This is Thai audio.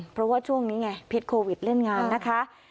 เพราะว่าช่วงนี้ไงพิษโควิดเล่นงานนะคะ